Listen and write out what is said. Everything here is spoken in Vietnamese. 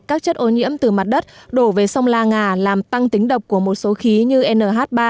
các chất ô nhiễm từ mặt đất đổ về sông la ngà làm tăng tính độc của một số khí như nh ba